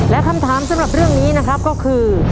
และคำถามสำหรับเรื่องนี้นะครับก็คือ